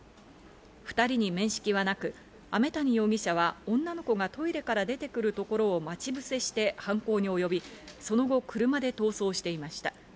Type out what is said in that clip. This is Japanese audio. ２人に面識はなく、飴谷容疑者は女の子がトイレから出てくるところを待ち伏せして犯行に及び、その後、車で逃走していました。